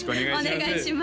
お願いします